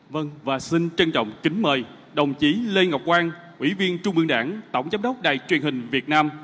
vâng và xin trân trọng kính mời đồng chí lê ngọc quang ủy viên trung ương đảng tổng giám đốc đài truyền hình việt nam